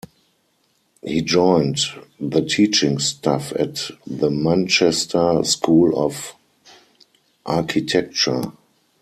He joined the teaching staff at the Manchester School of Architecture.